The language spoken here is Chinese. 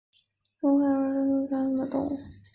红腹海参为海参科海参属的动物。